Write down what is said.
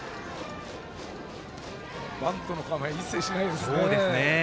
バントの構え一切しないですね。